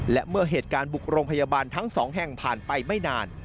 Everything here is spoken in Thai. และเมื่อเหตุการณ์บุกโรงพยาบาลทั้งสองแห่งผ่านไปไม่นาน